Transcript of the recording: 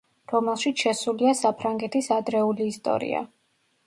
რომელშიც შესულია საფრანგეთის ადრეული ისტორია.